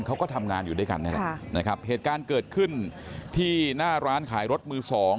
เขาก็ทำงานอยู่ด้วยกันนี่แหละนะครับเหตุการณ์เกิดขึ้นที่หน้าร้านขายรถมือสอง